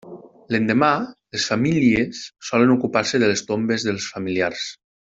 L'endemà les famílies solen ocupar-se de les tombes dels familiars.